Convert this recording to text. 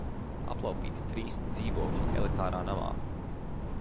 Aplaupīti trīs dzīvokļi elitārā namā!